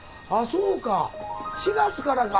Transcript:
そうか４月からか。